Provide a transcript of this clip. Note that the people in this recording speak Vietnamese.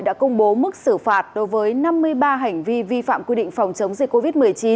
đã công bố mức xử phạt đối với năm mươi ba hành vi vi phạm quy định phòng chống dịch covid một mươi chín